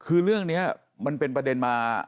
คือเรื่องนี้มันเป็นประเด็นมา